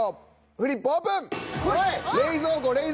フリップオープン。